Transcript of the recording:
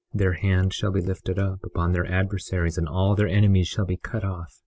21:13 Their hand shall be lifted up upon their adversaries, and all their enemies shall be cut off.